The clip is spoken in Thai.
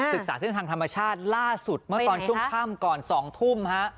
ศึกษาเส้นทางธรรมชาติล่าสุดเมื่อตอนช่วงค่ำก่อน๒ทุ่มฮะ